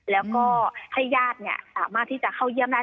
แล้วก็ให้ญาติสามารถที่จะเข้าเยี่ยมได้